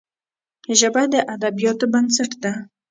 ژبه د ادبياتو بنسټ ده